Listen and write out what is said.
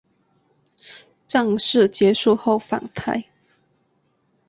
战事结束后返台。